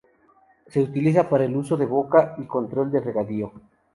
Se utiliza para uso de boca y control de regadío.